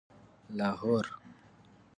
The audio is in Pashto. لاهور